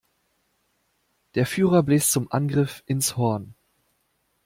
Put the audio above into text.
Der Führer bläst zum Angriff ins Horn.